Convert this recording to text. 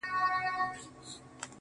جغرافیا، تاریخ، ادبیات